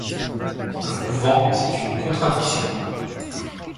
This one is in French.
Un couvent, c’est une contradiction.